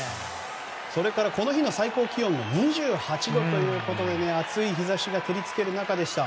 それからこの日の最高気温も２８度ということで熱い日差しが照りつける中でした。